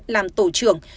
làm tổ trưởng